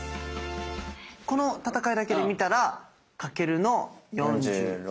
この戦いだけで見たら翔の４６。